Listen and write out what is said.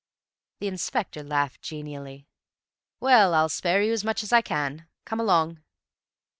The inspector laughed genially. "Well, I'll spare you as much as I can. Come along."